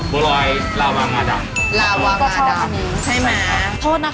บูอรอยลาวางมาดำใช่มั้ยครับพี่มีด้วยก็ชอบอันนี้